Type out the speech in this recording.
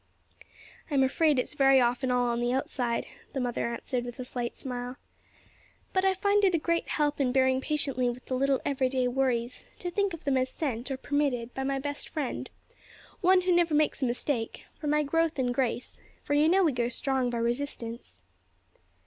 "I'm afraid it's very often all on the outside," the mother answered with a slight smile. "But I find it a great help in bearing patiently with the little every day worries, to think of them as sent, or permitted, by my best Friend One who never makes a mistake for my growth in grace; for you know we grow strong by resistance."